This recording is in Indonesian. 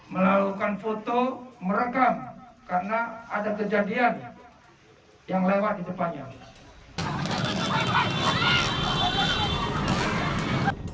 melakukan foto merekam karena ada kejadian yang lewat di depannya